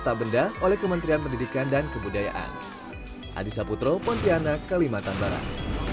tak benda oleh kementerian pendidikan dan kebudayaan adisa putro pontianak kalimantan barat